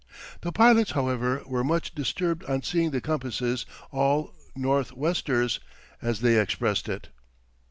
The pilots, however, were much disturbed on seeing the compasses all "north westers," as they expressed it.